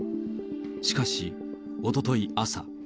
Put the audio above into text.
しかし、おととい朝。